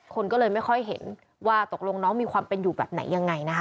คนก็เลยไม่ค่อยเห็นว่าตกลงน้องมีความเป็นอยู่แบบไหนยังไงนะคะ